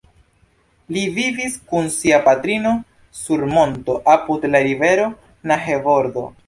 Li vivis kun sia patrino sur monto apud la rivero Nahe-bordo.